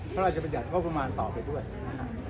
พระราชบัญญัติโภคมาลต่อไปด้วย